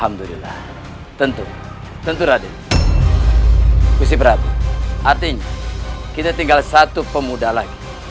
alhamdulillah tentu tentu raden kusip ratu artinya kita tinggal satu pemuda lagi